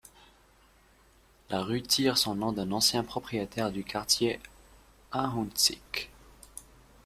La rue tire son nom d'un ancien propriétaire du quartier Ahuntsic.